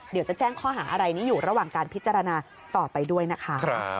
เดี๋ยวจะแจ้งข้อหาอะไรนี้อยู่ระหว่างการพิจารณาต่อไปด้วยนะคะ